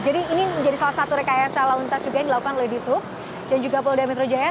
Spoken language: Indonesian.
jadi ini menjadi salah satu rekayasa lontar juga yang dilakukan oleh disho dan juga pulau daya metro jaya